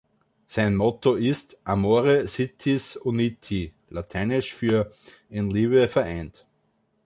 Sein Motto ist „Amore Sitis Uniti“, lateinisch für „In Liebe vereint“.